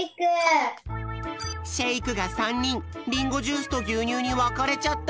シェイクが３にんリンゴジュースとぎゅうにゅうにわかれちゃった。